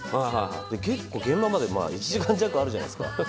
結構現場まで１時間弱あるじゃないですか。